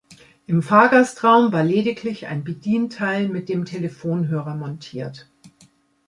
Im Fahrgastraum war lediglich ein Bedienteil mit dem Telefonhörer montiert.